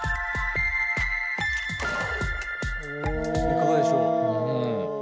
いかがでしょう？